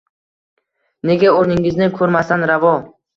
Nega o’rningizni ko’rmasdan ravo